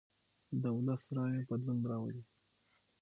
د ولس رایه بدلون راولي